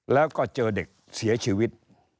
แล้วก็เจอเด็กเสียชีวิต